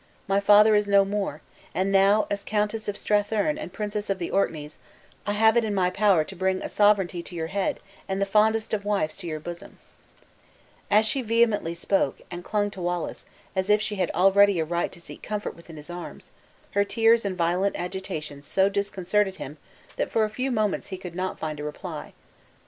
My father is no more; and now, as Countess of Strathearn and Princess of the Orkneys, I have it in my power to earn and Princess of the Orkneys, I have it in my power to bring a sovereignty to your head, and the fondest of wives to your bosom." As she vehemently spoke, and clung to Wallace, as if she had already a right to seek comfort within his arms, her tears and violent agitations so disconcerted him that for a few moments he could not find a reply.